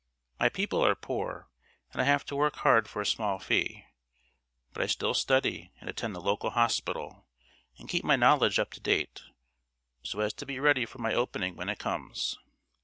My people are poor, and I have to work hard for a small fee; but I still study and attend the local hospital, and keep my knowledge up to date, so as to be ready for my opening when it comes.